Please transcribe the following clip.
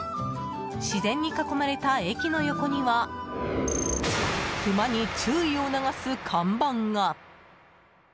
自然に囲まれた駅の横にはクマに注意を促す看板が。